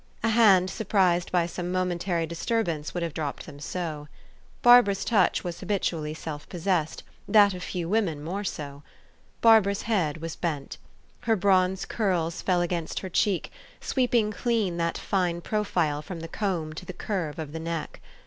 A hand surprised by some momentary dis turbance would have dropped them so. Barbara's touch was habitually self possessed ; that of few women more so. Barbara's head was bent. Her bronze curls fell against her cheek, sweeping clean that fine profile from the comb to the curve of the neck.